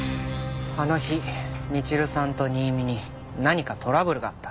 あの日みちるさんと新見に何かトラブルがあった。